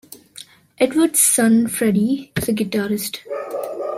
Edwards's son Freddie is a guitarist.